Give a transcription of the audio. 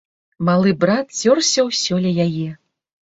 Малы брат цёрся ўсё ля яе.